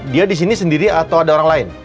dia di sini sendiri atau ada orang lain